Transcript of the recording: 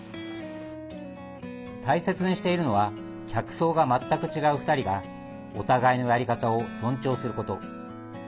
大切にしているのは客層が全く違う２人がお互いのやり方を尊重すること。